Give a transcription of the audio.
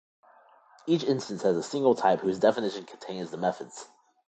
Each instance has a single type whose definition contains the methods.